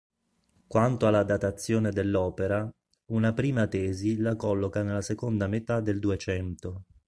Quanto alla datazione dell'opera, una prima tesi la colloca nella seconda metà del Duecento.